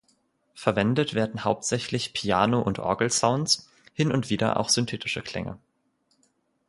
Verwendet werden hauptsächlich Piano- und Orgel-Sounds, hin und wieder auch synthetische Klänge.